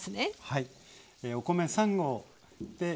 はい。